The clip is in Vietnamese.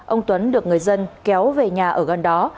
ông tuấn được người dân kéo về nhà ở gần đó